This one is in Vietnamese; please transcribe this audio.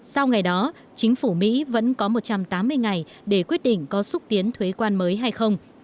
sau ngày đó chính phủ mỹ vẫn có một trăm tám mươi ngày để quyết định có xúc tiến thuế quan mới hay không